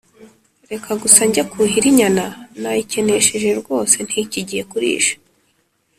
reka gusa njye kuhira inyana, nayikenesheje rwose, ntikigiye kurisha.